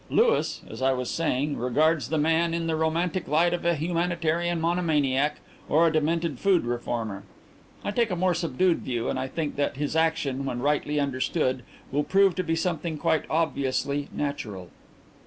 Louis, as I was saying, regards the man in the romantic light of a humanitarian monomaniac or a demented food reformer. I take a more subdued view and I think that his action, when rightly understood, will prove to be something quite obviously natural."